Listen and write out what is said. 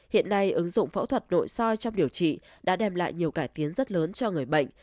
hiện nay ứng dụng phẫu thuật nội soi trong điều trị đã đem lại nhiều cải tiến rất lớn cho người bệnh